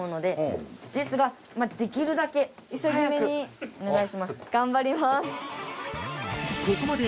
ですができるだけ速くお願いします。